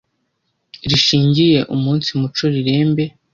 rishingiye umunsi muco rirembe.